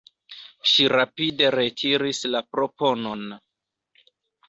Ŝi rapide retiris la proponon.